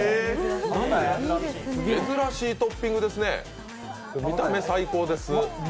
珍しいトッピングですね、見た目、最高です。